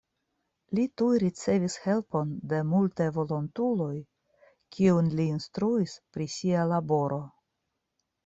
Li tuj ricevis helpon de multaj volontuloj kiujn li instruis pri sia laboro.